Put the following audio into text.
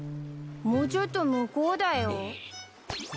もうちょっと向こうだよ。